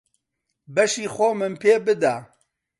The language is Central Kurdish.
بەشی خۆمم پێ بدە.